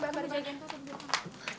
mbak ibu jagain toko